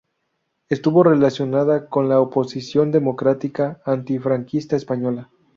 Estuvo relacionada con la oposición democrática antifranquista española.